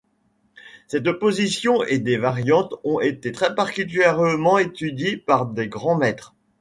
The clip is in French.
Cette position et des variantes ont été très particulièrement étudiées par des grands-maîtres.